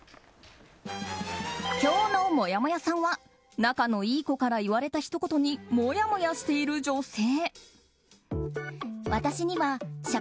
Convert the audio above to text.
今日のもやもやさんは仲のいい子から言われたひと言にもやもやしている女性。